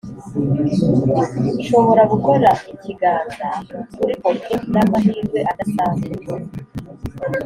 nshobora gukora ikiganza kuri poker n'amahirwe adasanzwe